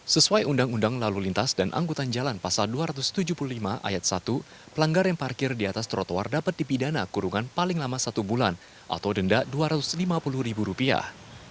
sesuai undang undang lalu lintas dan angkutan jalan pasal dua ratus tujuh puluh lima ayat satu pelanggar yang parkir di atas trotoar dapat dipidana kurungan paling lama satu bulan atau denda dua ratus lima puluh ribu rupiah